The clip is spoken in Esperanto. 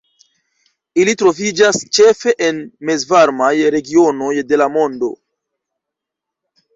Ili troviĝas ĉefe en mezvarmaj regionoj de la mondo.